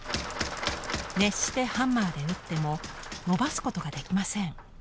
熱してハンマーで打ってものばすことができません。